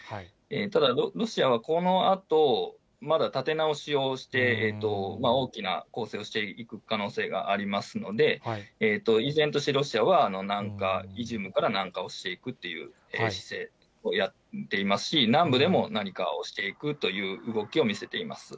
ただ、ロシアはこのあと、まだ立て直しをして、大きな攻勢をしていく可能性もありますので、依然としてロシアは南下、イジュームから南下をしていくという姿勢でやっていますし、南部でも何かをしていくという動きを見せています。